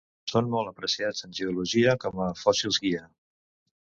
Són molt apreciats en geologia com a fòssils guia.